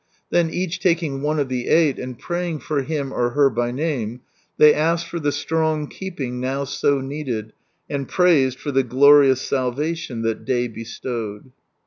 Then each taking one of the eight, and praying for him or her by name, they asked for the strong keeping now so needed, and praised for the glorious salvation that day bestowed.